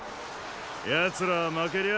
奴らは負けりゃ